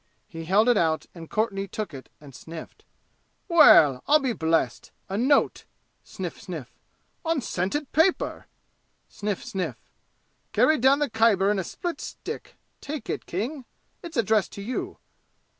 He held it out and Courtenay took it and sniffed. "Well I'll be blessed! A note" sniff sniff "on scented paper!" Sniff sniff! "Carried down the Khyber in a split stick! Take it, King it's addressed to you."